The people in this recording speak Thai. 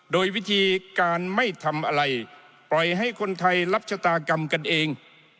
โดยวิธีการไม่ทำอะไรปล่อยให้คนไทยรับชะตากรรมกันเอง